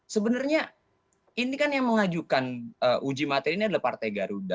sebenarnya ini kan yang mengajukan uji materi ini adalah partai garuda